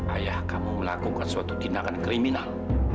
ayah kamu melakukan suatu tindakan kriminal